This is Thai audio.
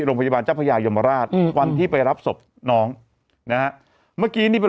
โรงพยาบาลเจ้าพญายมราชอืมวันที่ไปรับศพน้องนะฮะเมื่อกี้นี่เป็น